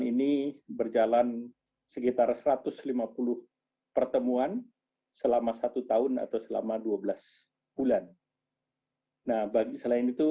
ini berjalan sekitar satu ratus lima puluh pertemuan selama satu tahun atau selama dua belas bulan nah bagi selain itu